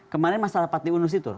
kemarin masalah pati unus itu